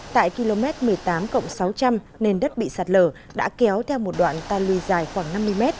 tại km một mươi tám cộng sáu trăm linh nền đất bị sạt lở đã kéo theo một đoạn tan lùi dài khoảng năm mươi mét